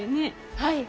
はい。